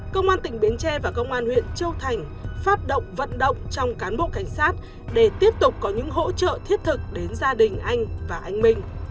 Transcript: công an tỉnh bến tre và công an huyện châu thành phát động vận động trong cán bộ cảnh sát để tiếp tục có những hỗ trợ thiết thực đến gia đình anh và anh minh